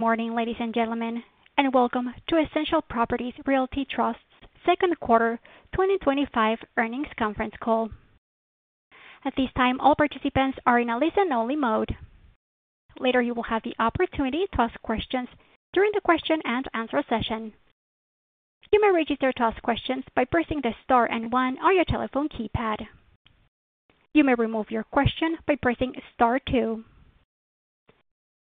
Good morning, ladies and gentlemen, and welcome to Essential Properties Realty Trust's Second Quarter twenty twenty five Earnings Conference Call. At this time, all participants are in a listen only mode. Later, you will have the opportunity to ask questions during the question and answer session.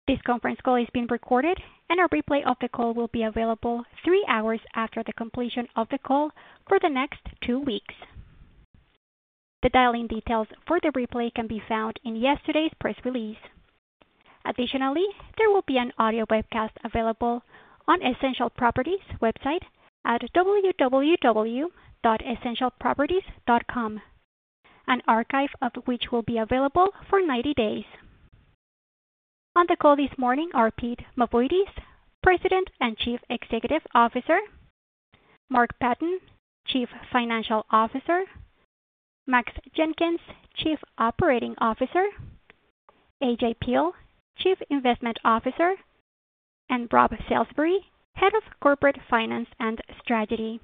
This conference call is being recorded, and a replay of the call will be available three hours after the completion of the call for the next two weeks. The dial in details for the replay can be found in yesterday's press release. Additionally, there will be an audio webcast available on Essential Properties website at www.essentialproperties.com, an archive of which will be available for ninety days. On the call this morning are Pete Mavoides, president and chief executive officer Mark Patten, chief financial officer Max Jenkins, chief operating officer AJ Peel, chief investment officer and Rob Salisbury, head of corporate finance and strategy.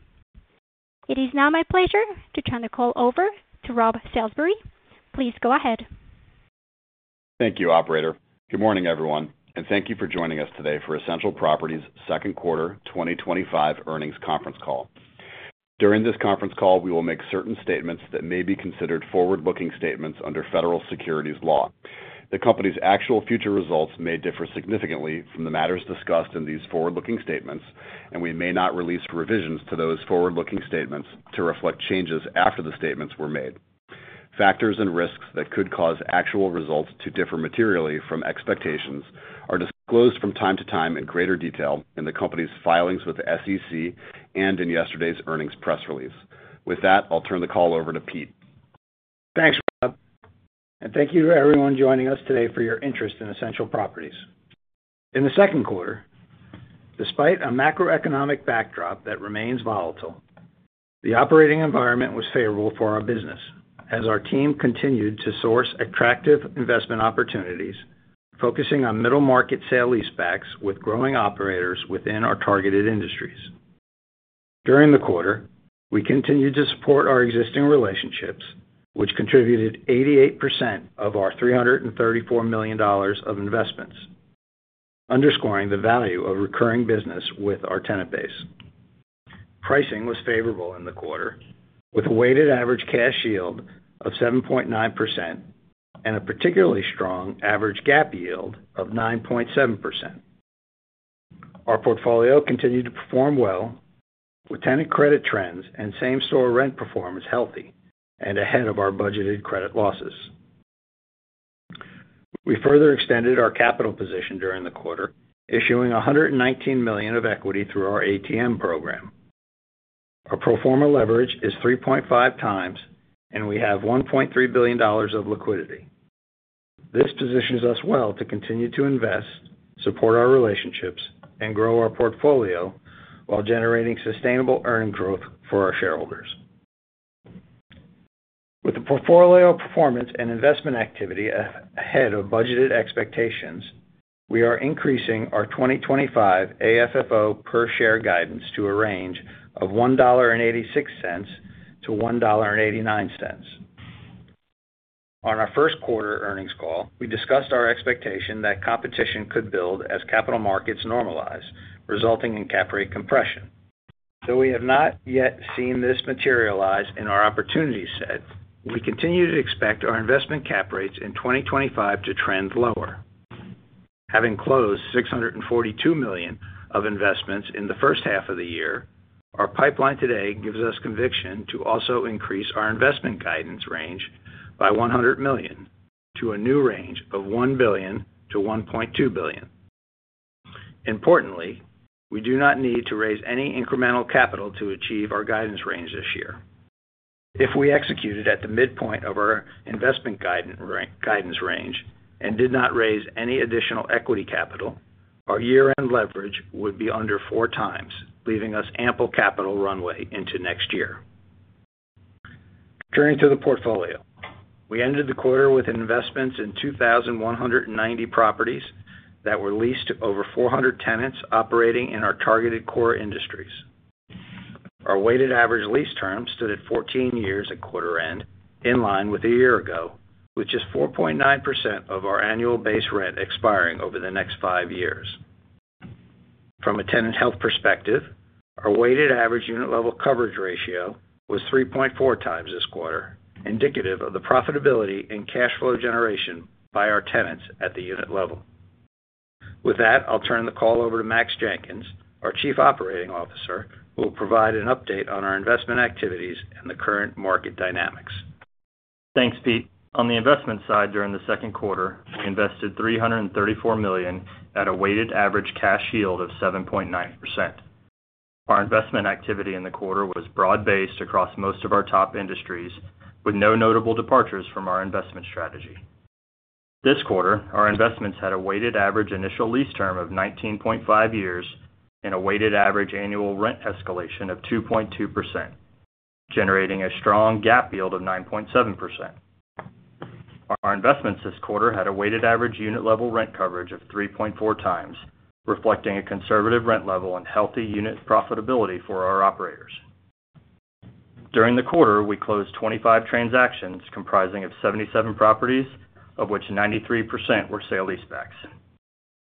It is now my pleasure to turn the call over to Rob Salisbury. Please go ahead. Thank you, operator. Good morning, everyone, and thank you for joining us today for Essential Properties' Second Quarter twenty twenty five Earnings Conference Call. During this conference call, we will make certain statements that may be considered forward looking statements under federal securities law. The company's actual future results may differ significantly from the matters discussed in these forward looking statements, and we may not release revisions to those forward looking statements to reflect changes after the statements were made. Factors and risks that could cause actual results to differ materially from expectations are disclosed from time to time in greater detail in the company's filings with the SEC and in yesterday's earnings press release. With that, I'll turn the call over to Pete. Thanks, Rob, and thank you to everyone joining us today for your interest in Essential Properties. In the second quarter, despite a macroeconomic backdrop that remains volatile, the operating environment was favorable for our business as our team continued to source attractive investment opportunities, focusing on middle market sale leasebacks with growing operators within our targeted industries. During the quarter, we continued to support our existing relationships, which contributed 88% of our $334,000,000 of investments, underscoring the value of recurring business with our tenant base. Pricing was favorable in the quarter with weighted average cash yield of 7.9% and a particularly strong average GAAP yield of 9.7%. Our portfolio continued to perform well with tenant credit trends and same store rent performance healthy and ahead of our budgeted credit losses. We further extended our capital position during the quarter, issuing $119,000,000 of equity through our ATM program. Our pro form a leverage is 3.5 times and we have $1,300,000,000 of liquidity. This positions us well to continue to invest, support our relationships and grow our portfolio, while generating sustainable earning growth for our shareholders. With the portfolio performance and investment activity ahead of budgeted expectations, we are increasing our twenty twenty five AFFO per share guidance to a range of $1.86 to $1.89 On our first quarter earnings call, we discussed our expectation that competition could build as capital markets normalize, resulting in cap rate compression. Though we have not yet seen this materialize in our opportunity set, we continue to expect our investment cap rates in 2025 to trend lower. Having closed $642,000,000 of investments in the first half of the year, our pipeline today gives us conviction to also increase our investment guidance range by $100,000,000 to a new range of $1,000,000,000 to $1,200,000,000 Importantly, we do not need to raise any incremental capital to achieve our guidance range this year. If we executed at the midpoint of our investment guidance range and did not raise any additional equity capital, our year end leverage would be under four times, leaving us ample capital runway into next year. Turning to the portfolio. We ended the quarter with investments in 2,190 properties that were leased to over 400 tenants operating in our targeted core industries. Our weighted average lease term stood at fourteen years at quarter end, in line with a year ago, which is 4.9% of our annual base rent expiring over the next five years. From a tenant health perspective, our weighted average unit level coverage ratio was 3.4 times this quarter, indicative of the profitability and cash flow generation by our tenants at the unit level. With that, I'll turn the call over to Max Jenkins, our Chief Operating Officer, who will provide an update on our investment activities and the current market dynamics. Thanks, Pete. On the investment side, during the second quarter, we invested $334,000,000 at a weighted average cash yield of 7.9%. Our investment activity in the quarter was broad based across most of our top industries with no notable departures from our investment strategy. This quarter, our investments had a weighted average initial lease term of 19.5 years and a weighted average annual rent escalation of 2.2%, generating a strong GAAP yield of 9.7%. Our investments this quarter had a weighted average unit level rent coverage of 3.4 times, reflecting a conservative rent level and healthy unit profitability for our operators. During the quarter, we closed 25 transactions comprising of 77 properties, of which 93% were sale leasebacks.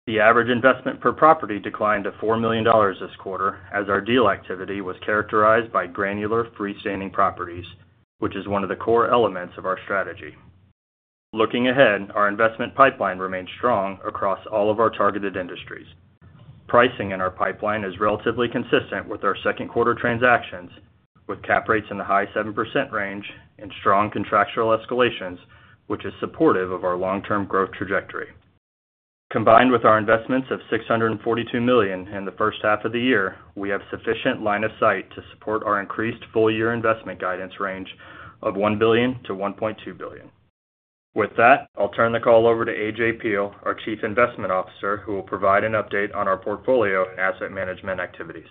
The average investment per property declined to $4,000,000 this quarter as our deal activity was characterized by granular freestanding properties, which is one of the core elements of our strategy. Looking ahead, our investment pipeline remains strong across all of our targeted industries. Pricing in our pipeline is relatively consistent with our second quarter transactions with cap rates in the high 7% range and strong contractual escalations, which is supportive of our long term growth trajectory. Combined with our investments of $642,000,000 in the first half of the year, we have sufficient line of sight to support our increased full year investment guidance range of $1,000,000,000 to 1,200,000,000.0 With that, I'll turn the call over to A. J. Peel, our Chief Investment Officer, who will provide an update on our portfolio and asset management activities.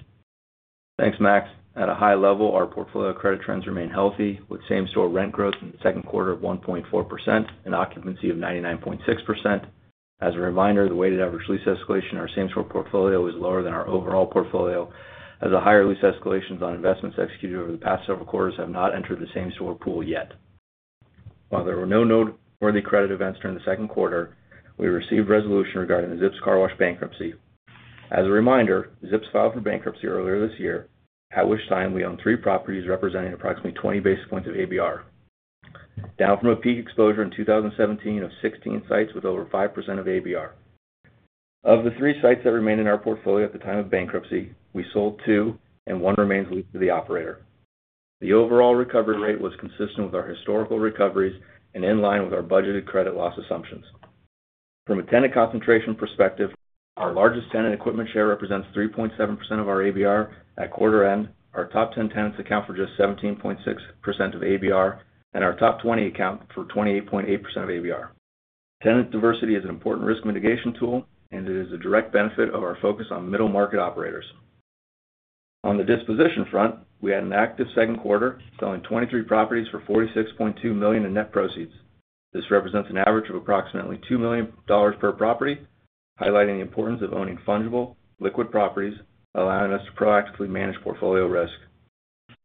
Thanks, Max. At a high level, our portfolio credit trends remain healthy with same store rent growth in the second quarter of 1.4% and occupancy of 99.6%. As a reminder, the weighted average lease escalation in our same store portfolio was lower than our overall portfolio as the higher lease escalations on investments executed over the past several quarters have not entered the same store pool yet. While there were no noteworthy credit events during the second quarter, we received resolution regarding the Zips carwash bankruptcy. As a reminder, Zips filed for bankruptcy earlier this year, at which time we own three properties representing approximately 20 basis points of ABR. Down from a peak exposure in twenty seventeen of 16 sites with over 5% of ABR. Of the three sites that remain in our portfolio at the time of bankruptcy, we sold two and one remains leased to the operator. The overall recovery rate was consistent with our historical recoveries and in line with our budgeted credit loss assumptions. From a tenant concentration perspective, our largest tenant equipment share represents 3.7% of our ABR at quarter end. Our top 10 tenants account for just 17.6% of ABR, and our top 20 account for 28.8% of ABR. Tenant diversity is an important risk mitigation tool, and it is a direct benefit of our focus on middle market operators. On the disposition front, we had an active second quarter, selling 23 properties for $46,200,000 in net proceeds. This represents an average of approximately $2,000,000 per property, highlighting the importance of owning fungible liquid properties, allowing us to proactively manage portfolio risk.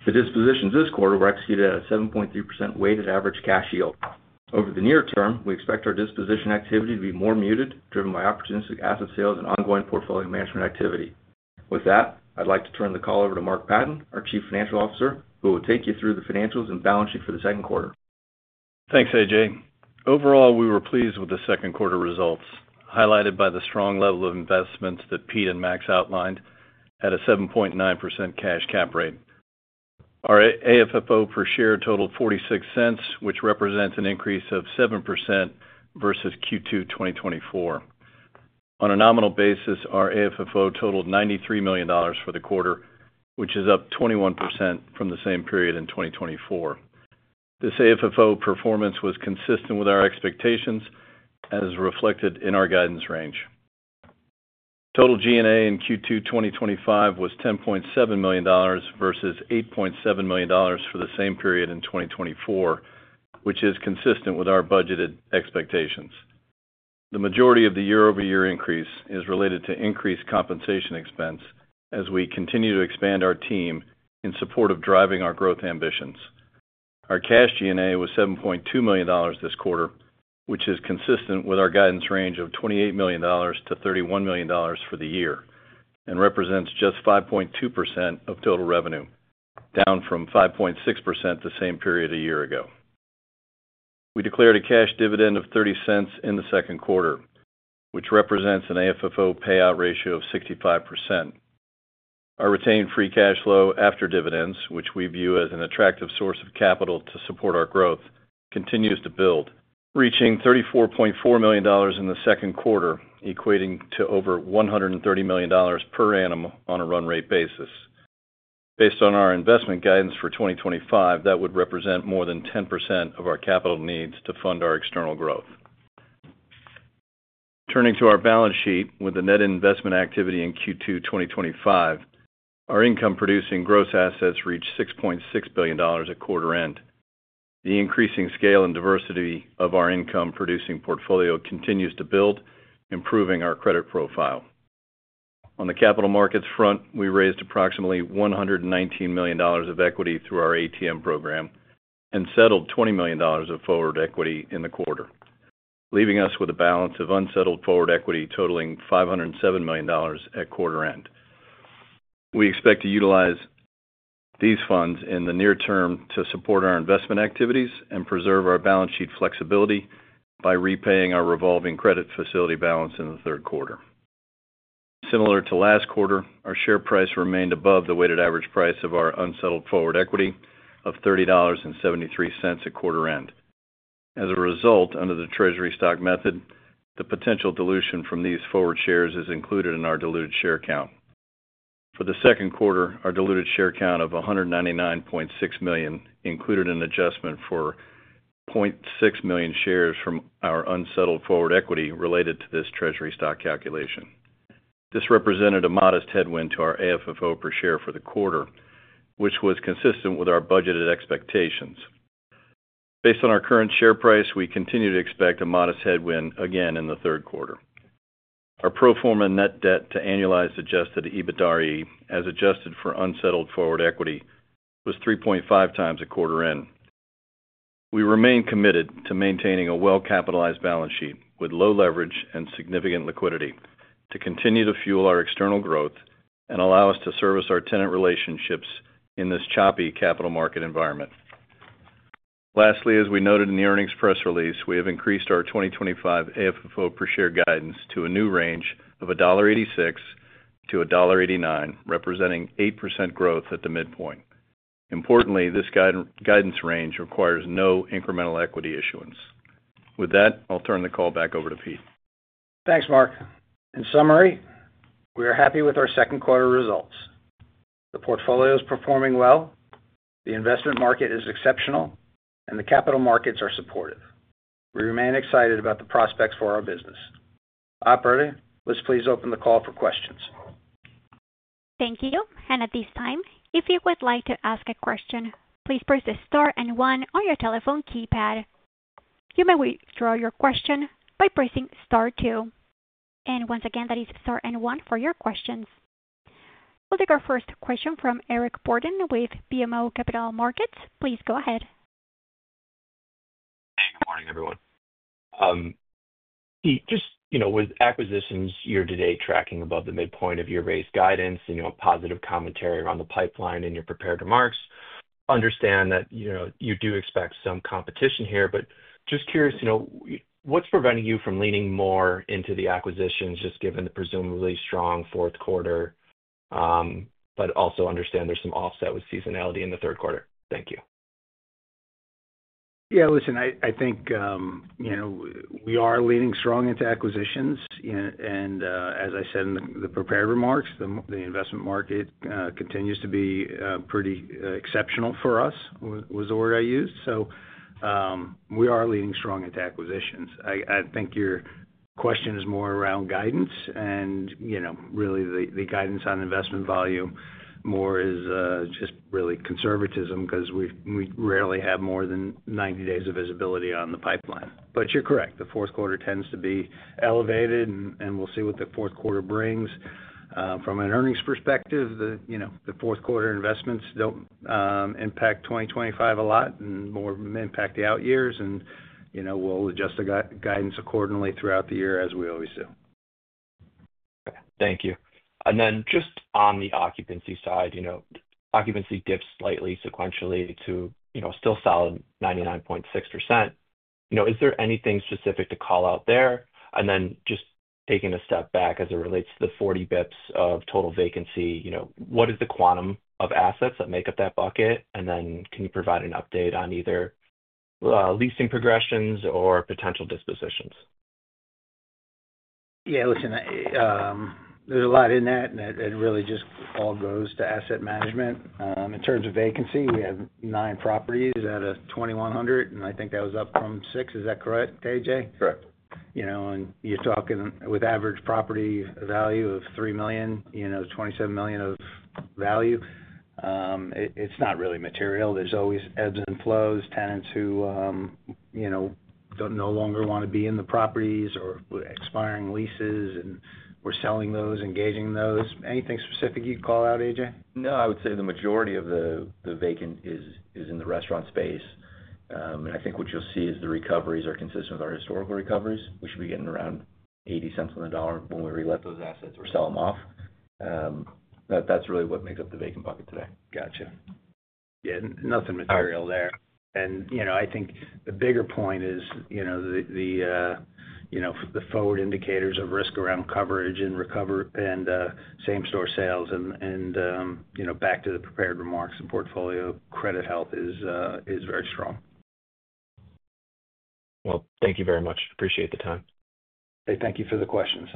The dispositions this quarter were executed at a 7.3% weighted average cash yield. Over the near term, we expect our disposition activity to be more muted, driven by opportunistic asset sales and ongoing portfolio management activity. With that, I'd like to turn the call over to Mark Patton, our Chief Financial Officer, who will take you through the financials and balance sheet for the second quarter. Thanks, AJ. Overall, we were pleased with the second quarter results, highlighted by the strong level of investments that Pete and Max outlined at a 7.9% cash cap rate. Our AFFO per share totaled $0.46 which represents an increase of 7% versus Q2 twenty twenty four. On a nominal basis, our AFFO totaled $93,000,000 for the quarter, which is up 21% from the same period in 2024. This AFFO performance was consistent with our expectations as reflected in our guidance range. Total G and A in Q2 twenty twenty five was $10,700,000 versus $8,700,000 for the same period in 2024, which is consistent with our budgeted expectations. The majority of the year over year increase is related to increased compensation expense as we continue to expand our team in support of driving our growth ambitions. Our cash G and A was $7,200,000 this quarter, which is consistent with our guidance range of $28,000,000 to $31,000,000 for the year and represents just 5.2% of total revenue, down from 5.6% the same period a year ago. We declared a cash dividend of $0.30 in the second quarter, which represents an AFFO payout ratio of 65%. Our retained free cash flow after dividends, which we view as an attractive source of capital to support our growth, continues to build, reaching 34,400,000 in the second quarter, equating to over $130,000,000 per annum on a run rate basis. Based on our investment guidance for 2025, that would represent more than 10% of our capital needs to fund our external growth. Turning to our balance sheet. With the net investment activity in Q2 twenty twenty five, our income producing gross assets reached $6,600,000,000 at quarter end. The increasing scale and diversity of our income producing portfolio continues to build, improving our credit profile. On the capital markets front, we raised approximately $119,000,000 of equity through our ATM program and settled $20,000,000 of forward equity in the quarter, leaving us with a balance of unsettled forward equity totaling $5.00 $7,000,000 at quarter end. We expect to utilize these funds in the near term to support our investment activities and preserve our balance sheet flexibility by repaying our revolving credit facility balance in the third quarter. Similar to last quarter, our share price remained above the weighted average price of our unsettled forward equity of $30.73 at quarter end. As a result, under the treasury stock method, the potential dilution from these forward shares is included in our diluted share count. For the second quarter, our diluted share count of 199,600,000.0 included an adjustment for 600,000.0 shares from our unsettled forward equity related to this treasury stock calculation. This represented a modest headwind to our AFFO per share for the quarter, which was consistent with our budgeted expectations. Based on our current share price, we continue to expect a modest headwind again in the third quarter. Our pro form a net debt to annualized adjusted EBITDAre as adjusted for unsettled forward equity was 3.5 times at quarter end. We remain committed to maintaining a well capitalized balance sheet with low leverage and significant liquidity to continue to fuel our external growth and allow us to service our tenant relationships in this choppy capital market environment. Lastly, as we noted in the earnings press release, we have increased our twenty twenty five AFFO per share guidance to a new range of $1.86 to $1.89 representing 8% growth at the midpoint. Importantly, this guidance range requires no incremental equity issuance. With that, I'll turn the call back over to Pete. Thanks, Mark. In summary, we are happy with our second quarter results. The portfolio is performing well, the investment market is exceptional, and the capital markets are supportive. We remain excited about the prospects for our business. Operator, let's please open the call for questions. Thank you. We'll take our first question from Eric Borden with BMO Capital Markets. Please go ahead. Hey, good morning everyone. Just with acquisitions year to date tracking above the midpoint of your raised guidance and your positive commentary around the pipeline in your prepared remarks, Understand that you do expect some competition here, but just curious what's preventing you from leaning more into the acquisitions just given the presumably strong fourth quarter, but also understand there's some offset with seasonality in the third quarter? Thank you. Yes. Listen, I think we are leaning strong into acquisitions. And as I said in the prepared remarks, the investment market continues to be pretty exceptional for us was the word I used. So we are leading strong into acquisitions. I think your question is more around guidance. And really, the guidance on investment volume more is just really conservatism because we rarely have more than ninety days of visibility on the pipeline. But you're correct, the fourth quarter tends to be elevated, and we'll see what the fourth quarter brings. From an earnings perspective, the fourth quarter investments don't impact 2025 a lot and more impact the out years, and we'll adjust the guidance accordingly throughout the year as we always do. Okay. Thank you. And then just on the occupancy side, occupancy dips slightly sequentially to still solid 99.6. Is there anything specific to call out there? And then just taking a step back as it relates to the 40 bps of total vacancy, what is the quantum of assets that make up that bucket? And then can you provide an update on either leasing progressions or potential dispositions? Yes, listen, there's a lot in that and it really just all goes to asset management. In terms of vacancy, we have nine properties out of 2,100, and I think that was up from six. Is that correct, JJ? Correct. And you're talking with average property value of $3,000,000 $27,000,000 of value. It's not really material. There's always ebbs and flows, tenants who no longer want to be in the properties or with expiring leases, and we're selling those, engaging those. Anything specific you'd call out, AJ? No, I would say the majority of the vacant is in the restaurant space. And I think what you'll see is the recoveries are consistent with our historical recoveries, which we're around $0.8 on the dollar when we relet those assets or sell them off. That's really what makes up the vacant bucket today. Gotcha. Yeah, nothing material And I think the bigger point is the forward indicators of risk around coverage and same store sales. And back to the prepared remarks, the portfolio credit health is very strong. Well, thank you very much. Appreciate the time. Hey, thank you for the questions.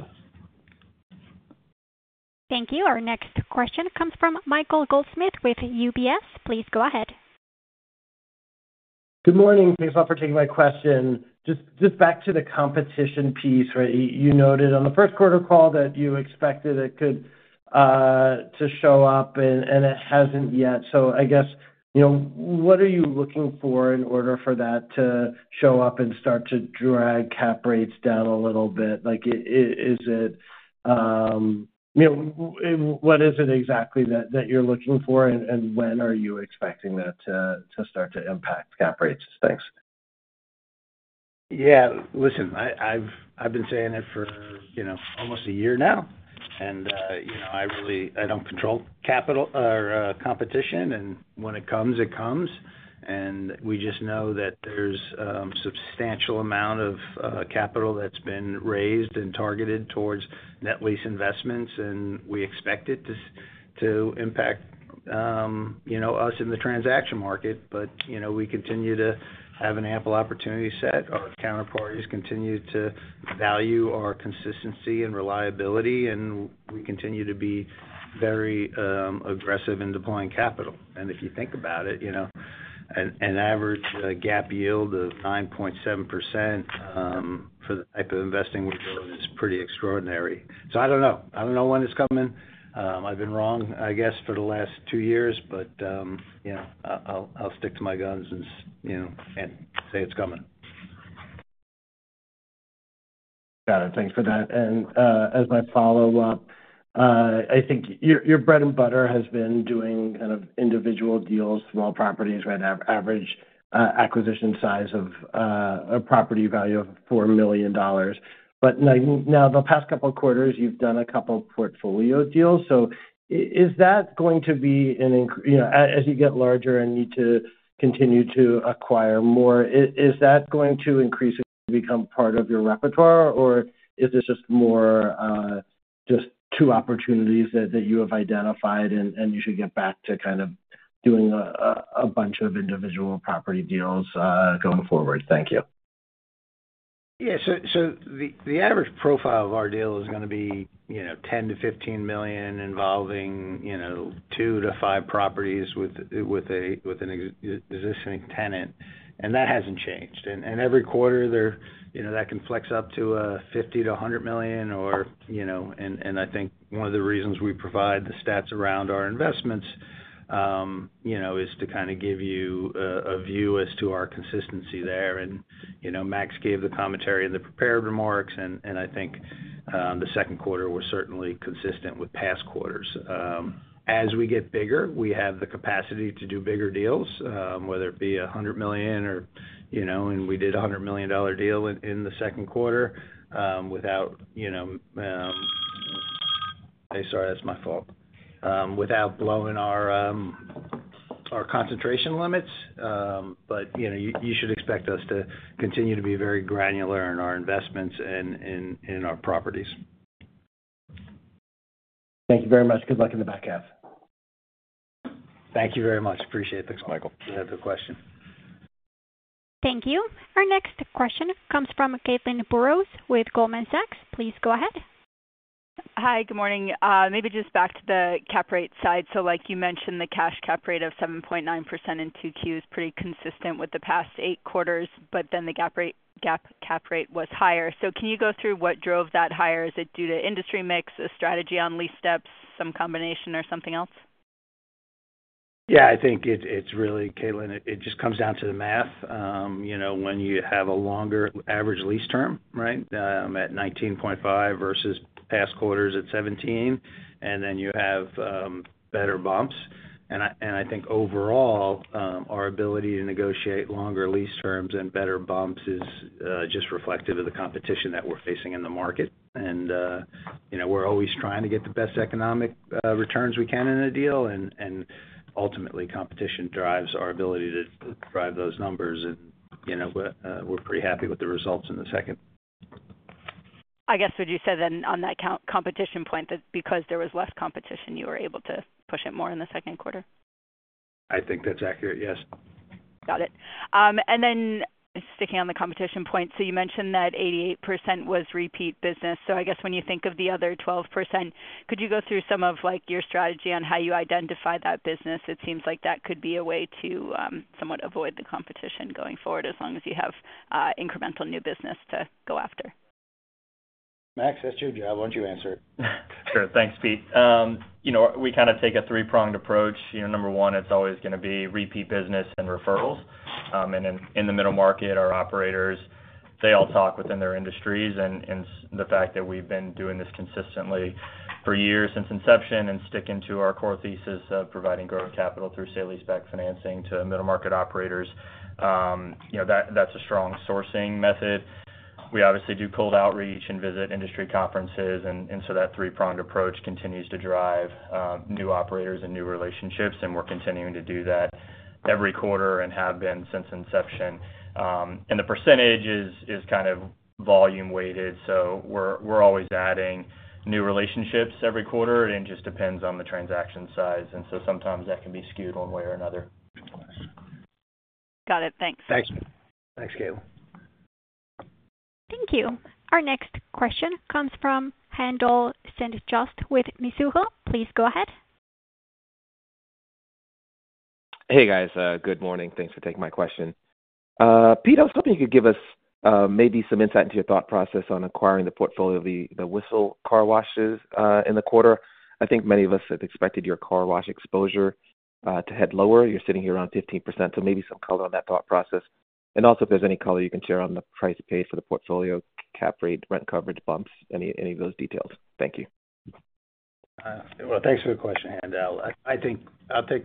Thank you. Our next question comes from Michael Goldsmith with UBS. Please go ahead. Good morning. Thanks a for taking my question. Just back to the competition piece, right? You noted on the first quarter call that you expected it could to show up and it hasn't yet. So I guess, what are you looking for in order for that to show up and start to drag cap rates down a little bit? Like is it what is it exactly that you're looking for? And when are you expecting that to start to impact cap rates? Thanks. Yeah. Listen, I've been saying it for almost a year now. And I really I don't control capital or competition. And when it comes, it comes. And we just know that there's substantial amount of capital that's been raised and targeted towards net lease investments, and we expect it to impact us in the transaction market. But we continue to have an ample opportunity set. Our counterparties continue to value our consistency and reliability, and we continue to be very aggressive in deploying capital. And if you think about it, an average GAAP yield of 9.7 for the type of investing we build is pretty extraordinary. So I don't know. I don't know when it's coming. I've been wrong, I guess, for the last two years. But I'll stick to my guns and say it's coming. Got it. Thanks for that. And as my follow-up, I think your bread and butter has been doing kind of individual deals, small properties, now average acquisition size of a property value of $4,000,000 But now the past couple of quarters, you've done a couple of portfolio deals. So is that going to be an increase as you get larger and need to continue to acquire more, is that going to increase become part of your repertoire? Or is this just more just two opportunities that you have identified and you should get back to kind of doing a bunch of individual property deals going forward? Thank you. Yeah, so the average profile of our deal is going to be 10,000,000 to $15,000,000 involving two to five properties with a existing tenant, and that hasn't changed. And every quarter, that can flex up to 50,000,000 to $100,000,000 or and I think one of the reasons we provide the stats around our investments is to kind of give you a view as to our consistency there. And Max gave the commentary in the prepared remarks, and I think the second quarter was certainly consistent with past quarters. As we get bigger, we have the capacity to do bigger deals, whether it be $100,000,000 or and we did million dollars deal in the second quarter without sorry, that's my fault without blowing our concentration limits. But you should expect us to continue to be very granular in our investments and in our properties. Thank you very much. Good luck in the back half. Thank you very much. Appreciate it. Thanks, Michael. Thanks for question. Thank you. Our next question comes from Caitlin Burrows with Goldman Sachs. Please go ahead. Hi, good morning. Maybe just back to the cap rate side. So like you mentioned, the cash cap rate of 7.9% in 2Q is pretty consistent with the past eight quarters, but then the GAAP rate was higher. So can you go through what drove that higher? Is it due to industry mix, a strategy on lease steps, some combination or something else? Yes. I think it's really, Caitlin, it just comes down to the math. When you have a longer average lease term, right, at 19.5% versus past quarters at 17%, and then you have better bumps. And I think overall, our ability to negotiate longer lease terms and better bumps is just reflective of the competition that we're facing in the market. And we're always trying to get the best economic returns we can in a deal, ultimately, drives our ability to drive those numbers. And we're pretty happy with the results in the second. I guess, would you say then on that competition point that because there was less competition, you were able to push it more in the second quarter? I think that's accurate, yes. Got it. Then sticking on the competition point, so you mentioned that 88 was repeat business. So I guess when you think of the other 12%, could you go through some of your strategy on how you identify that business? It seems like that could be a way to somewhat avoid the competition going forward as long as you have incremental new business to go after. Max, that's your job. Why don't you answer it? Sure. Thanks, Pete. We kind of take a three pronged approach. Number one, it's always going to be repeat business and referrals. And then in the middle market, our operators, they all talk within their industries and the fact that we've been doing this consistently for years since inception and sticking to our core thesis of providing growth capital through sale leaseback financing to middle market operators. That's a strong sourcing method. We obviously do cold outreach and visit industry conferences. And so that three pronged approach continues to drive new operators and new relationships. And we're continuing to do that every quarter and have been since inception. And the percentage is kind of volume weighted. So we're always adding new relationships every quarter and just depends on the transaction size. And so sometimes that can be skewed one way or another. Got it. Thanks. Thanks, Kael. Thank you. Our next question comes from Haendel St. Juste with Mizuho. Please go ahead. Hey guys, good morning. Thanks for taking my question. Pete, I was hoping you could give us maybe some insight into your thought process on acquiring the portfolio, Whistle car washes in the quarter. I think many of us have expected your car wash exposure to head lower. You're sitting here around 15%. So maybe some color on that thought process. And also if there's any color you can share on the price pace for the portfolio, cap rate, rent coverage bumps, any of those details. Thank you. Well, thanks for the question, Haendel. I think I'll take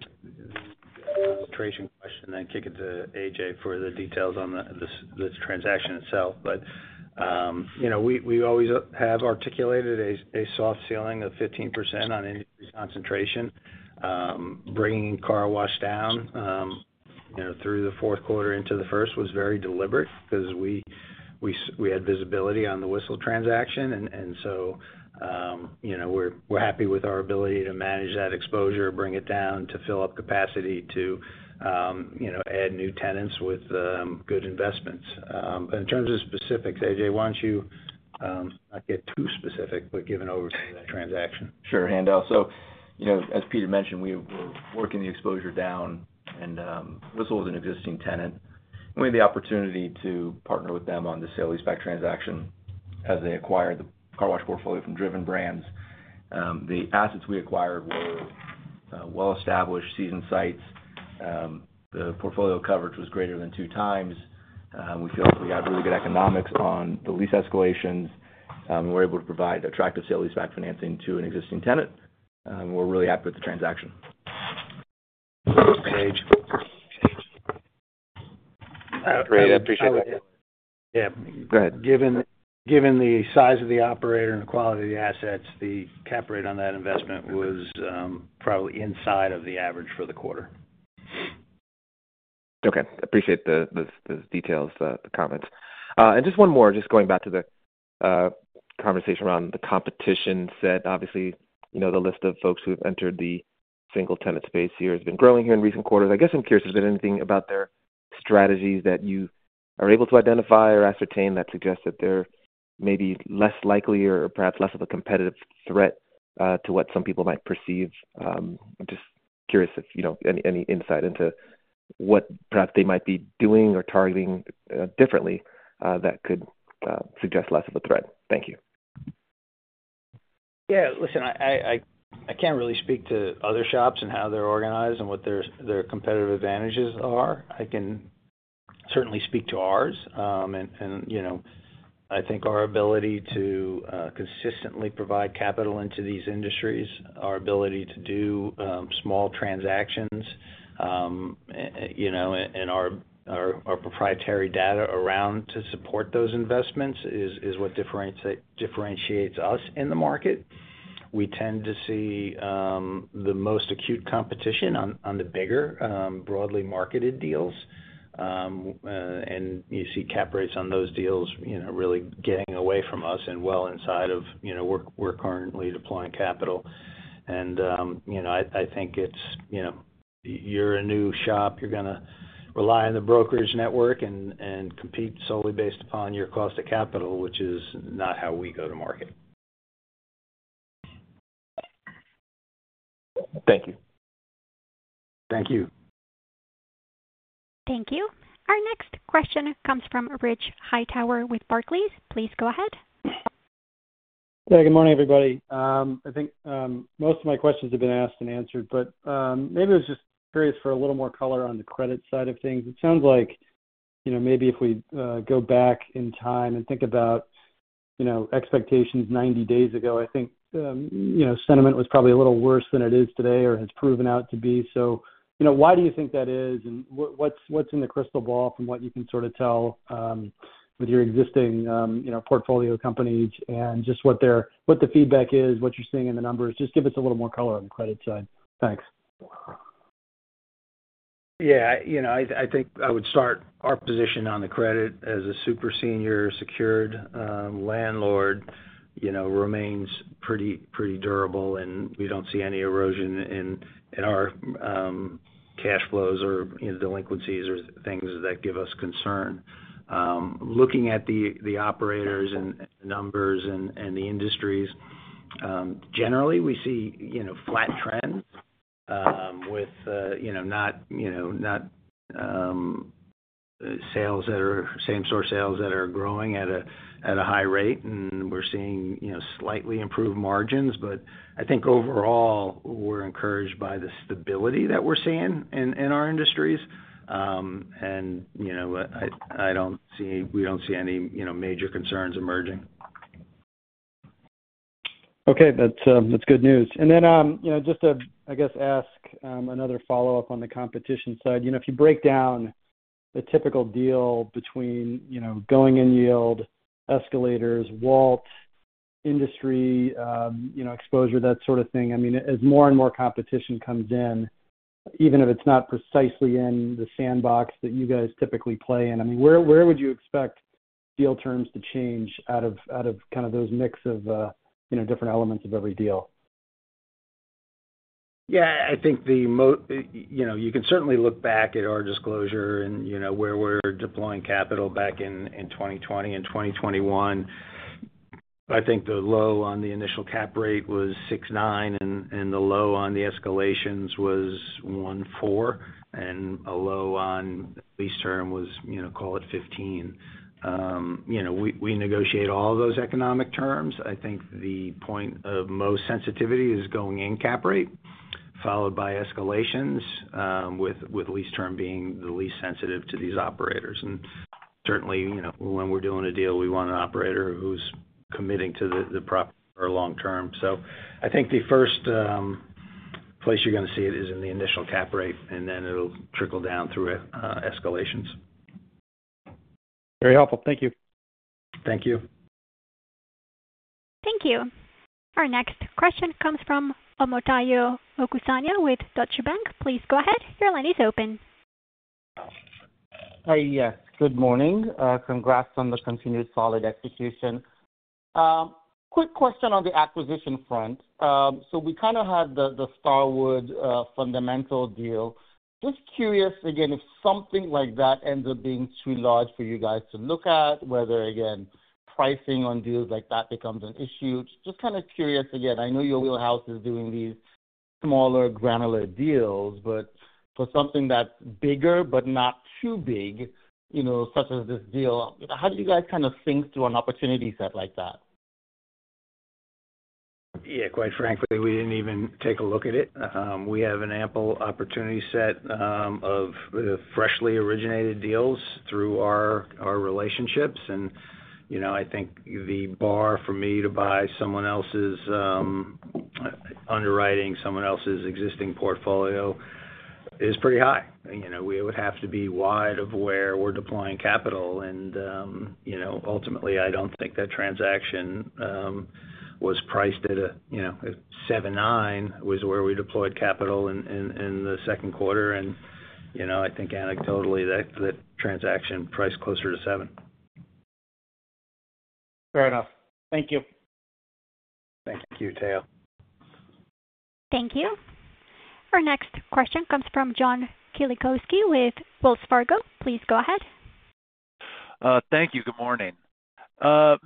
arbitration question and then kick it to A. J. For the details on this transaction itself. But we always have articulated a soft ceiling of 15% on industry concentration, bringing car wash down through the fourth quarter into the first was very deliberate because we had visibility on the Whistle transaction. And we're happy with our ability to manage that exposure, bring it down to fill up capacity to add new tenants with good investments. In terms of specifics, AJ, why don't you not get too specific, but give an overview that transaction? Sure, Haendel. So, as Peter mentioned, we were working the exposure down Whistle was an existing tenant. We had the opportunity to partner with them on the sale leaseback transaction as they acquired the car wash portfolio from Driven Brands. The assets we acquired were well established season sites. The portfolio coverage was greater than two times. We feel we have really good economics on the lease escalations. We're able to provide attractive sale leaseback financing to an existing tenant. We're really happy with the transaction. Given the size of the operator and the quality of the assets, the cap rate on that investment was probably inside of the average for the quarter. Okay. I appreciate the details, comments. And just one more, going back to the conversation around the competition set. Obviously, the list of folks who have entered the single tenant space here has been growing here in recent quarters. I guess I'm curious, has there been anything about their strategies that you are able to identify or ascertain that suggests that they're maybe less likely or perhaps less of a competitive threat to what some people might perceive? I'm just curious if, you know, any insight into what perhaps they might be doing or targeting differently that could suggest less of a threat? Thank you. Yeah, listen, I can't really speak to other shops and how they're organized and what their competitive advantages are. I can certainly speak to ours. And I think our ability to consistently provide capital into these industries, our ability to do small transactions, and our proprietary data around to support those investments is what differentiates us in the market. We tend to see the most acute competition the bigger, broadly marketed deals. And you see cap rates on those deals really getting away from us and well inside of we're currently deploying capital. And I think you're a new shop, you're going to rely on the brokerage network and compete solely based upon your cost of capital, which is not how we go to market. Thank you. Thank you. Thank you. Our next question comes from Rich Hightower with Barclays. Please go ahead. Hey, good morning, everybody. I think, most of my questions have been asked and answered, but, maybe I was just curious for a little more color on the credit side of things. It sounds like maybe if we go back in time and think about expectations ninety days ago, I think sentiment was probably a little worse than it is today or has proven out to be. Why do you think that is? And what's in the crystal ball from what you can sort of tell with your existing portfolio companies and just what the feedback is, what you're seeing in the numbers? Just give us a little more color on the credit side. Thanks. Yeah, think I would start our position on the credit as a super senior secured landlord remains pretty durable, we don't see any erosion in our cash flows or delinquencies or things that give us concern. Looking at the operators and numbers and the industries, generally, we see flat trends with not sales that are same store sales that are growing at a high rate, and we're seeing slightly improved margins. But I think overall, we're encouraged by the stability that we're seeing in our industries. And we don't see any major concerns emerging. Okay, that's good news. And then just to, I guess, ask another follow-up on the competition side. If you break down the typical deal between going in yield escalators, Walt industry exposure, that sort of thing. Mean, more and more competition comes in, even if it's not precisely in the sandbox that you guys typically play in, I mean, where would you expect deal terms to change out kind of those mix of different elements of every deal? Yes. I think the you can certainly look back at our disclosure and where we're deploying capital back in 2020 and 2021. I think the low on the initial cap rate was 6.9% and the low on the escalations was 1.4% and a low on lease term was, call it, We negotiate all of those economic terms. I think the point of most sensitivity is going in cap rate, followed by escalations, with lease term being the least sensitive to these operators. And certainly, when we're doing a deal, we want an operator who's committing to the proper long term. So I think the first place you're going to see it is in the initial cap rate, and then it will trickle down through escalations. Very helpful. Thank you. Thank you. Thank you. Our next question comes from Omotayo Okusanya with Deutsche Bank. Please go ahead. Your line is open. Hi, good morning. Congrats on the continued solid execution. Quick question on the acquisition front. So we kind of had the Starwood fundamental deal. Just curious again, if something like that ends up being too large for you guys to look at, whether again, pricing on deals like that becomes an issue. Just kind of curious again, I know your wheelhouse is doing these smaller granular deals, but for something that's bigger but not too big, you know, as this deal, how do you guys kind of think through an opportunity set like that? Yeah, quite frankly, we didn't even take a look at it. We have an ample opportunity set of freshly originated deals through our relationships. And I think the bar for me to buy someone else's underwriting, someone else's existing portfolio is pretty high. Would have to be wide of where we're deploying capital. And ultimately, I don't think that transaction was priced at a 7.9% was where we deployed capital in the second quarter. And I think anecdotally, that transaction priced closer to 7 Fair enough. Thank you. Thank you, Teo. Thank you. Our next question comes from John Kielicowski with Wells Fargo. Please go ahead. Thank you. Good morning.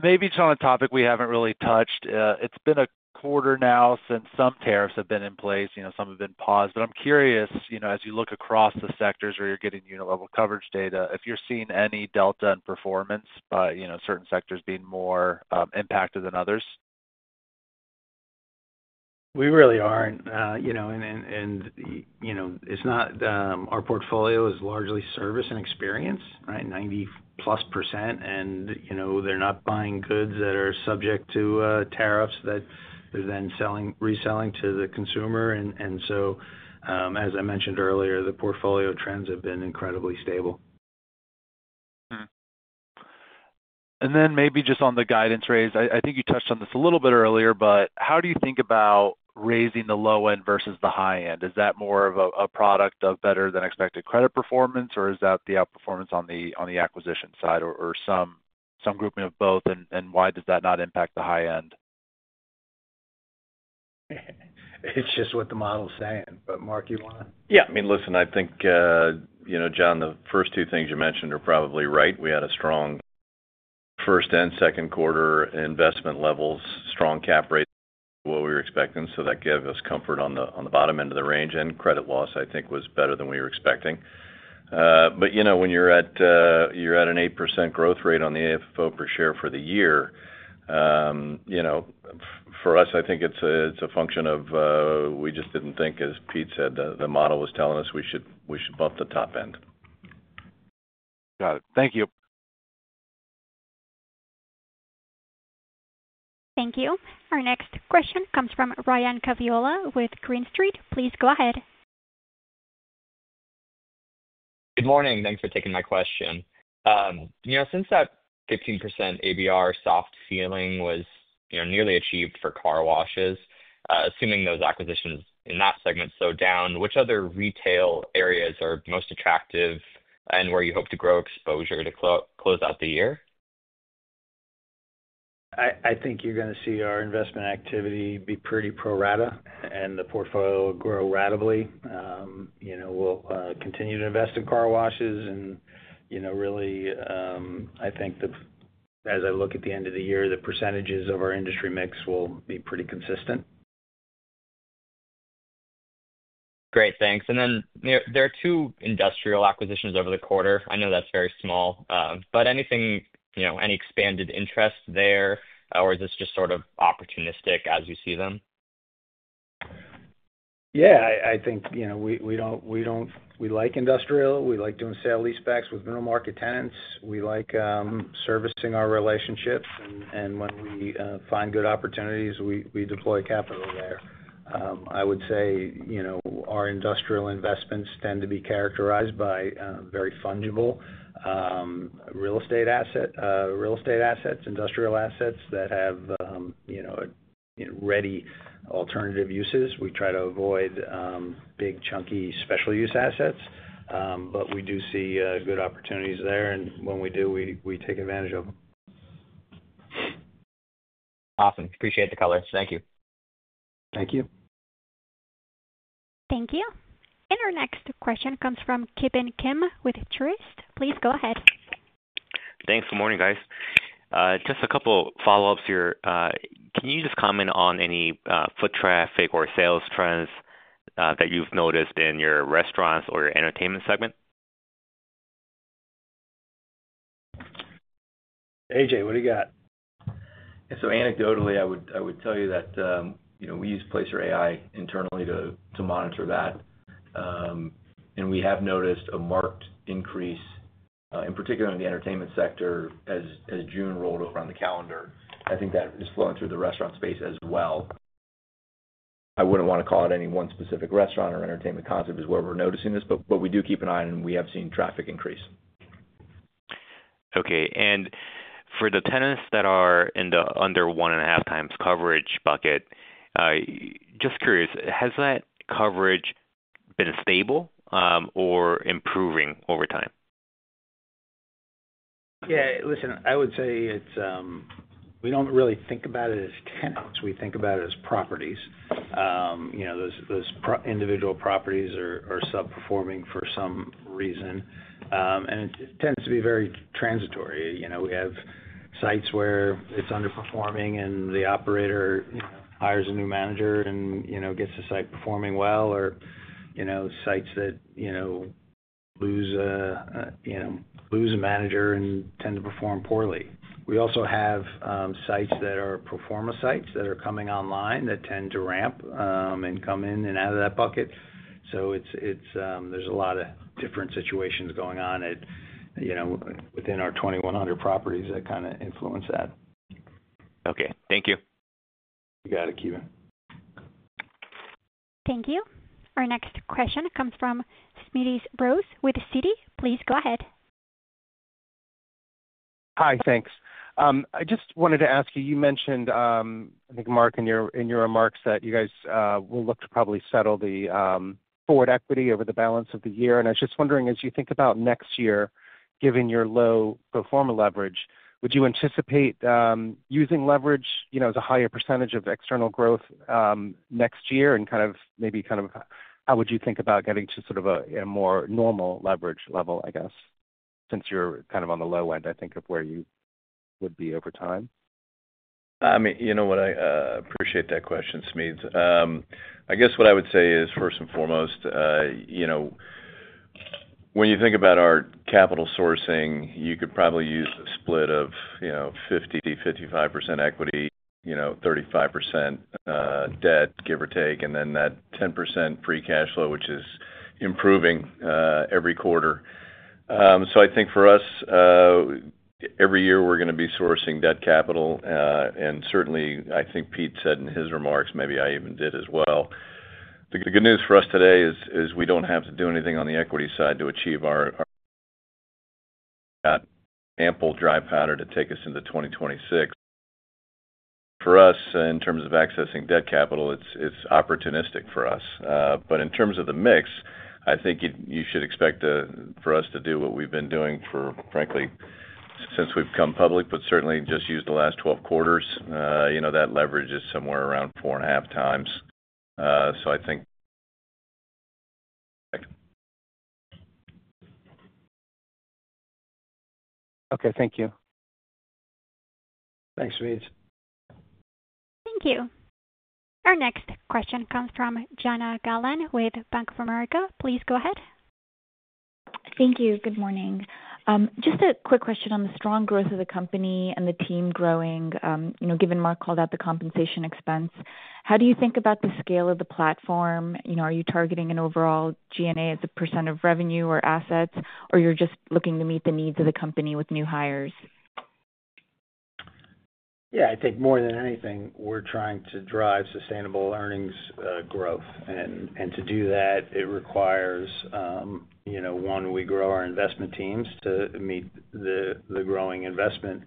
Maybe it's on a topic we haven't really touched. It's been a quarter now since some tariffs have been in place, know, some have been paused. But I'm curious, you know, as you look across the sectors where you're getting unit level coverage data, if you're seeing any delta in performance by certain sectors being more impacted than others? We really aren't. It's not our portfolio is largely service and experience, 90 plus percent. And they're not buying goods that are subject to tariffs that they're then reselling to the consumer. And so as I mentioned earlier, the portfolio trends have been incredibly stable. And then maybe just on the guidance raise, I think you touched on this a little bit earlier, but how do you think about raising the low end versus the high end? Is that more of a product of better than expected credit performance or is that the outperformance on the acquisition side or some grouping of both? Why does that not impact the high end? It's just what the model is saying. But Mark, you want to? Yes. I mean, listen, I think, John, the first two things you mentioned are probably right. We had a strong first and second quarter investment levels, strong cap rate, what we were expecting. So that gave us comfort on bottom end of the range and credit loss, think, was better than we were expecting. But when you're at an 8% growth rate on the AFFO per share for the year, for us I think it's a function of we just didn't think as Pete said, the model was telling us we should bump the top end. Got it. Thank you. Thank you. Our next question comes from Ryan Caviola with Green Street. Please go ahead. Good morning. Thanks for taking my question. Since that 15% ABR soft ceiling was nearly achieved for car washes, assuming acquisitions in that segment slowed down, which other retail areas are most attractive and where you hope to grow exposure to close out the year? I think you're going to see our investment activity be pretty pro rata and the portfolio grow ratably. We'll continue to invest in car washes. And really, I think that as I look at the end of the year, the percentages of our industry mix will be pretty consistent. Great. Thanks. And then there are two industrial acquisitions over the quarter. I know that's very small, but anything any expanded interest there? Or is this just sort of opportunistic as you see them? Yes. I think we don't we like industrial. We like doing sale leasebacks with middle market tenants. We like servicing our relationships. And when we find good opportunities, we deploy capital there. I would say our industrial investments tend to be characterized by very fungible real estate assets, industrial assets that have ready alternative uses. We try to avoid big chunky special use assets, but we do see good opportunities there. And when we do, we take advantage of Awesome. Appreciate the color. Thank you. Thank you. Thank you. And our next question comes from Ki Bin Kim with Truist. Please go ahead. Thanks. Good morning, guys. Just a couple of follow ups here. Can you just comment on any foot traffic or sales trends that you've noticed in your restaurants or entertainment segment? AJ, what do got? So anecdotally, I would tell you that we use Placer AI internally to monitor that. And we have noticed a marked increase in particular in the entertainment sector as June rolled over on the calendar. I think that is flowing through the restaurant space as well. I wouldn't want to call it any one specific restaurant or entertainment concept is where we're noticing this, but we do keep an eye on and we have seen traffic increase. Okay, and for the tenants that are under 1.5 times coverage bucket, just curious, has that coverage been stable or improving over time? Yeah, listen, I would say it's we don't really think about it as tenants. We think about it as properties. Those individual properties are sub performing for some reason. And it tends to be very transitory. We have sites where it's underperforming and the operator hires a new manager and gets the site performing well or sites that lose a manager and tend to perform poorly. We also have sites that are pro form a sites that are coming online that tend to ramp and come in and out of that bucket. So there's a lot of different situations going on within our 2,100 properties that kind of influence that. Okay, thank you. You got it, Ki Bin. Thank you. Our next question comes from Smedes Rose with Citi. Please go ahead. Hi, thanks. I just wanted to ask you, you mentioned, I think Mark, in your remarks that you guys will look to probably settle the forward equity over the balance of the year. And I was just wondering, as you think about next year, given your low pro form a leverage, would you anticipate using leverage as a higher percentage of external growth next year and kind of maybe kind of how would you think about getting to sort of a more normal leverage level, guess, since you're kind of on the low end, I think of where you would be over time? I mean, you know what, appreciate that question Smedes. I guess what I would say is first and foremost, when you think about our capital sourcing, could probably use a split of 50%, 55% equity, 35% debt give or take and then that 10% free cash flow which is improving every quarter. So I think for us, every year we're going to be sourcing debt capital and certainly think Pete said in his remarks, maybe I even did as well. The good news for us today is we don't have to do anything on the equity side to achieve our ample dry powder to take us into 2026. For us in terms of accessing debt capital, it's opportunistic for us. But in terms of the mix, I think you should expect for us to do what we've been doing for frankly since we've come public, but certainly just use the last twelve quarters, that leverage is somewhere around 4.5 times. So I think Okay, thank you. Thanks, Louise. Thank you. Our next question comes from Jana Gallen with Bank of America. Please go ahead. Thank you. Good morning. Just a quick question on the strong growth of the company and the team growing, given Mark called out the compensation expense. How do you think about the scale of the platform? Are you targeting an overall G and A as a percent of revenue or assets? Or you're just looking to meet the needs of the company with new hires? Yeah, I think more than anything, we're trying to drive sustainable earnings growth. And to do that, it requires, one, we grow our investment teams to meet the growing investment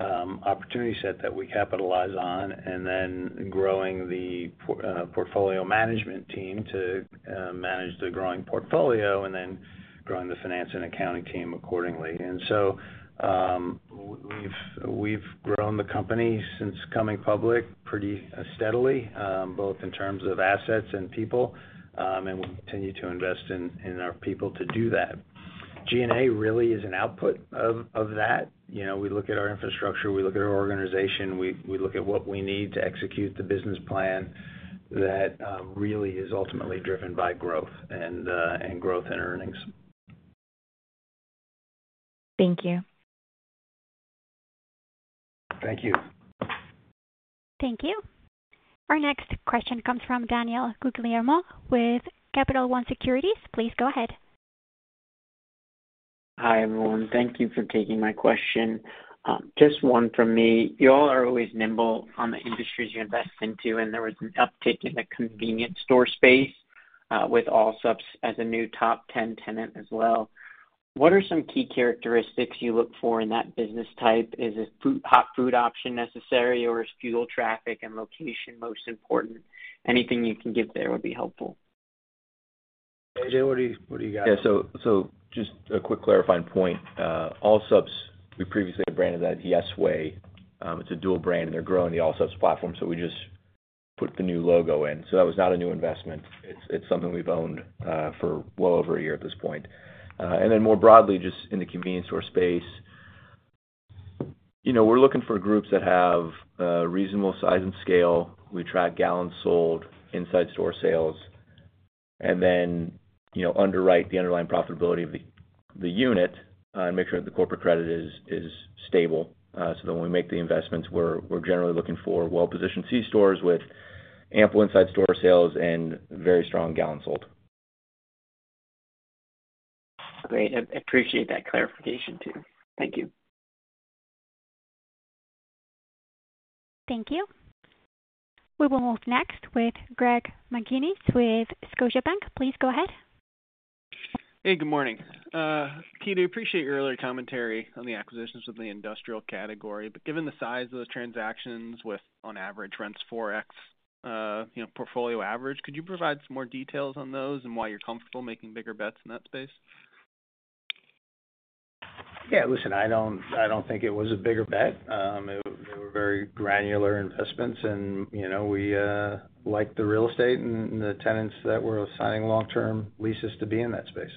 opportunity set that we capitalize on, and then growing the portfolio management team to manage the growing portfolio, and then growing the finance and accounting team accordingly. And so we've grown the company since coming public pretty steadily, both in terms of assets and people. And we'll continue to invest in our people to do that. G and A really is an output of that. We look at our infrastructure, we look at our organization, we look at what we need to execute the business plan that really is ultimately driven by growth and growth in earnings. Thank you. Thank you. Thank you. Our next question comes from Daniel Guilhermeux with Capital One Securities. Please go ahead. Hi, everyone. Thank you for taking my question. Just one from me. You all are always nimble on the industries you invest into and there was an uptick in the convenience store space with Allsup as a new top 10 tenant as well. What are some key characteristics you look for in that business type? Is it hot food option necessary or is fuel traffic and location most important? Anything you can give there would be helpful. AJ, what do got? So just a quick clarifying point, Allsup's we previously branded that Yes Way. It's a dual brand and they're growing the Allsup's platform so we just put the new logo in. So that was not a new investment. It's something we've owned for well over a year at this point. And then more broadly just in the convenience store space, we're looking for groups that have reasonable size and scale. We track gallons sold inside store sales and then underwrite the underlying profitability of the unit and make sure that the corporate credit is stable. So then when we make the investments, we're generally looking for well positioned C stores with ample inside store sales and very strong gallons sold. Great. I appreciate that clarification too. Thank you. Thank you. We will move next with Greg McGinnis with Scotiabank. Please go ahead. Hey, good morning. Keith, I appreciate your earlier commentary on the acquisitions of the industrial category. But given the size of those transactions with, on average, rents 4x, portfolio average, could you provide some more details on those and why you're comfortable making bigger bets in that space? Yeah, listen, I don't think it was a bigger bet. They were very granular investments. And we like the real estate and the tenants that were signing long term leases to be in that space.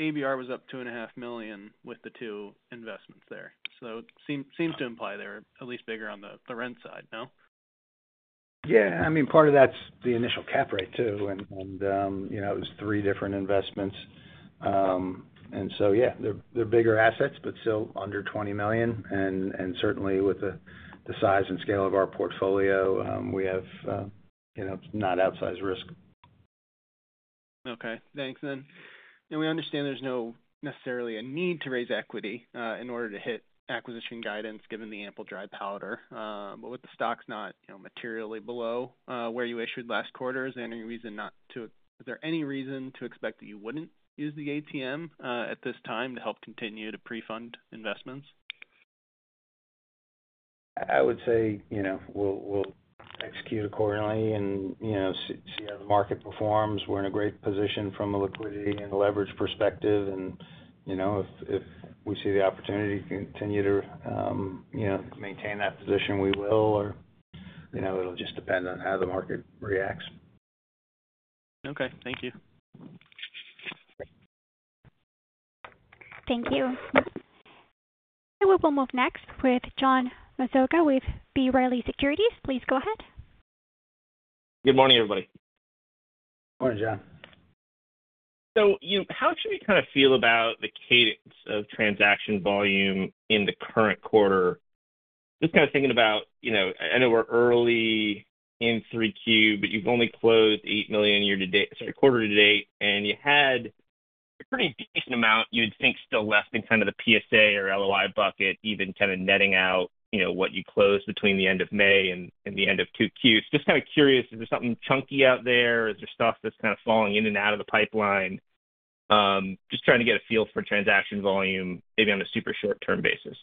ABR was up $2,500,000 with the two investments there. So it seems to imply they're at least bigger on the rent side, no? Yeah, I mean part of that's the initial cap rate too. It was three different investments. And so yeah, they're bigger assets, but still under $20,000,000 And certainly, with the size and scale of our portfolio, we have not outsized risk. Okay, thanks. We understand there's no necessarily a need to raise equity in order to hit acquisition guidance given the ample dry powder. But with the stocks not materially below where you issued last quarter, is there reason to expect that you wouldn't use the ATM at this time to help continue to pre fund investments? I would say we'll execute accordingly and see how the market performs. We're in a great position from a liquidity and leverage perspective. And if we see the opportunity to continue to maintain that position, we will. It'll just depend on how the market reacts. Okay, thank you. Thank you. And we will move next with John Massocca with B. Riley Securities. Please go ahead. Good morning, everybody. Good morning, John. So how should we kind of feel about the cadence of transaction volume in the current quarter? Just kind of thinking about I know we're early in 3Q, but you've only closed $8,000,000 year to date sorry, quarter to date, and you had a pretty decent amount you'd think still left in kind of the PSA or LOI bucket, even kind of netting out what you closed between the May and the end of 2Q. So just kind of curious, is there something chunky out there? Is there stuff that's kind of falling in and out of the pipeline? Just trying to get a feel for transaction volume, maybe on a super short term basis.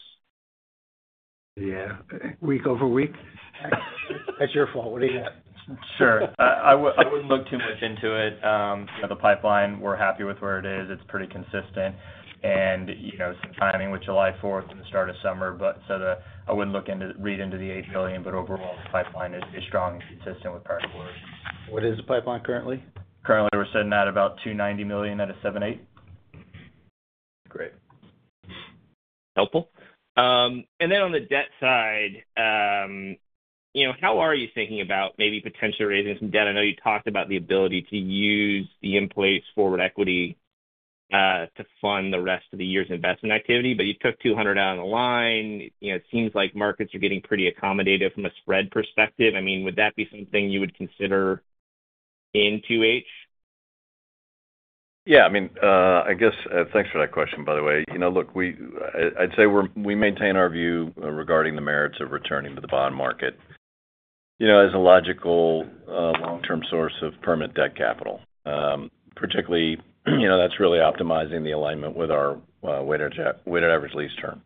Yes. Week over week, that's your fault. What do you want? Sure. I wouldn't look too much into it. The pipeline, we're happy with where it is. It's pretty consistent. Some timing with July 4 and the start of summer, but so I wouldn't look into read into the $8,000,000,000 but overall, the pipeline is strong and consistent with prior quarters. What is the pipeline currently? Currently, we're sitting at about $290,000,000 at a 7.8%. Great. Helpful. And then on the debt side, how are you thinking about maybe potentially raising some debt? I know you talked about the ability to use the in place forward equity to fund the rest of the year's investment activity, but you took 200 down the line. It seems like markets are getting pretty accommodative from a spread perspective. I mean, would that be something you would consider in 2H? Yes. I mean, I guess thanks for that question, by the way. Look, we I'd say we maintain our view regarding the merits of returning to the bond market. As a logical long term source of permanent debt capital, particularly that's really optimizing the alignment with our weighted average lease term.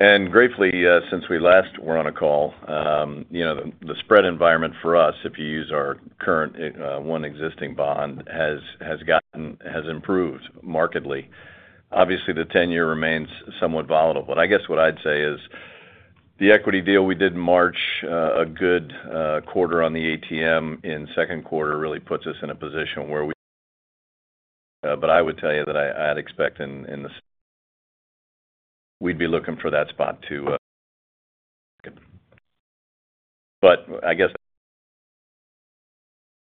And gratefully since we last were on a call, the spread environment for us, if you use our current one existing bond, improved markedly. Obviously, the ten year remains somewhat volatile. But I guess what I'd say is the equity deal we did in March, a good quarter on the ATM in second quarter really puts us in a position where we but I would tell you that I'd expect in the we'd be looking for that spot to but I guess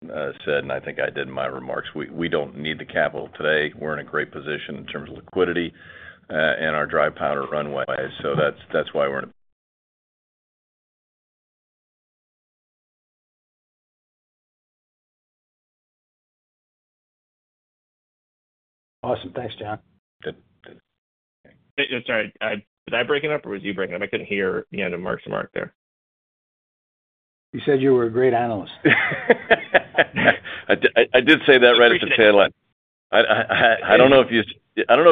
said, and I think I did in my remarks, we don't need the capital today. We're in a great position in terms of liquidity and our dry powder runway. So that's why we're in Awesome. Thanks, John. Good. I'm sorry. I was I breaking up, or was you breaking up? I couldn't hear the end of Mark's remark there. You said you were a great analyst. I I I did say that right at the tail end. I don't know if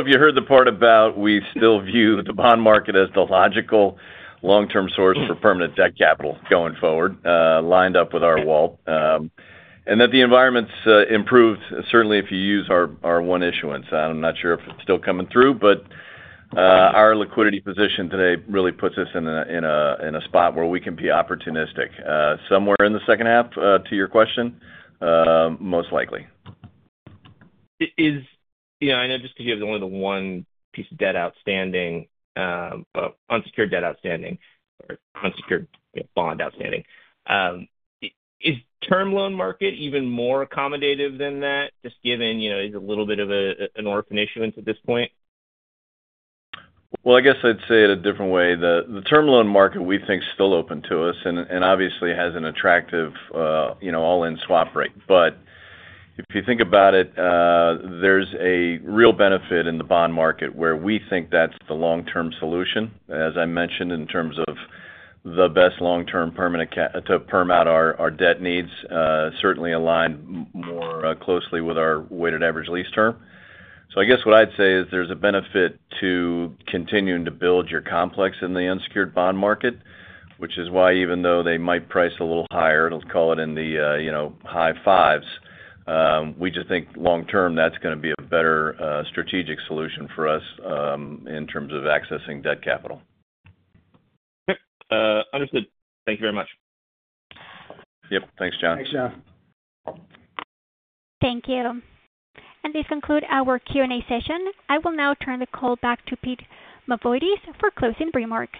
you heard the part about we still view the bond market as the logical long term source for permanent debt capital going forward, lined up with our wall. That the environment's improved certainly if you use our one issuance. I'm not sure if it's still coming through, but our liquidity position today really puts us in a spot where we can be opportunistic. Somewhere in the second half to your question, most likely. Is I know just because you have only the one piece of debt outstanding unsecured debt outstanding or unsecured bond outstanding. Is term loan market even more accommodative than that, just given it's a little bit of an orphan issuance at this point? Well, I guess I'd say it a different way. The term loan market we think is still open to us and obviously has an attractive all in swap rate. But if you think about it, there's a real benefit in the bond market where we think that's the long term solution. As I mentioned in terms of the best long term permanent to perm out our debt needs, certainly aligned more closely with our weighted average lease term. So I guess what I'd say is there's a benefit to continuing to build your complex in the unsecured bond market, which is why even though they might price a little higher, let's call it in the high fives, we just think long term that's going to be a better strategic solution for us in terms of accessing debt capital. Understood. Thank you very much. Yes. Thanks, John. Thanks, John. Thank you. And this concludes our Q and A session. I will now turn the call back to Pete Mavoides for closing remarks.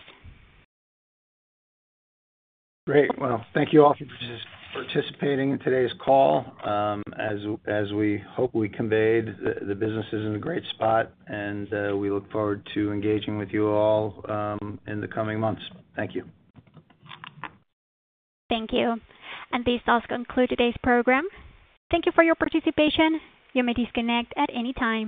Great. Well, thank you all for participating in today's call. As we hope we conveyed, the business is in a great spot, and we look forward to engaging with you all in the coming months. Thank you. Thank you. And this does conclude today's program. Thank you for your participation. You may disconnect at any time.